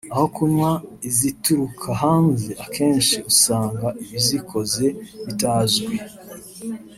aho kunywa izituruka hanze akenshi usanga ibizikoze bitazwi